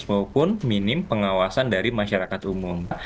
maupun minim pengawasan dari masyarakat umum